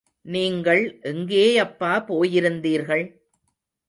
நீங்கள் எங்கேயப்பா போயிருந்தீர்கள்?